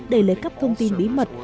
để lấy cắp thông tin bí mật